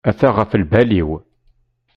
Ata ɣef lbal-iw.